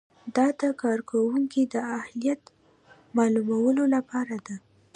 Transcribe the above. دا د کارکوونکي د اهلیت معلومولو لپاره ده.